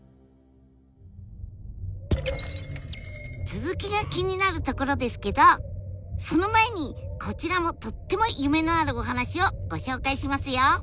続きが気になるところですけどその前にこちらもとっても夢のあるお話をご紹介しますよ。